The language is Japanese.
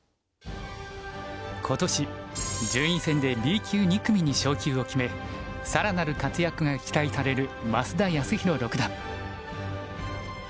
今年順位戦でＢ級２組に昇級を決め更なる活躍が期待される増田康宏六段。